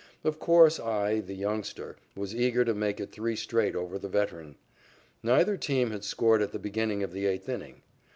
Of course, I, the youngster, was eager to make it three straight over the veteran. Neither team had scored at the beginning of the eighth inning.